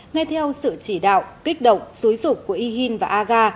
ngay theo sự chỉ đạo kích động xúi rục của yhin và aga